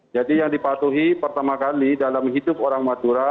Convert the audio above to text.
jadi yang dipatuhi pertama kali dalam hidup orang madura